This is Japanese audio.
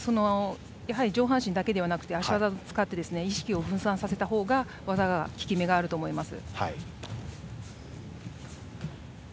上半身だけではなくて足技を使って意識を分散させたほうが技が効き目があると思います。